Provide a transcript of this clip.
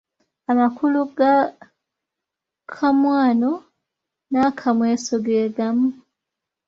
Amakulu ga Kamwano n’aKamweso ge gamu.